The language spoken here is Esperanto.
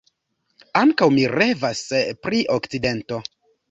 Ankaŭ mi revas pri Okcidento.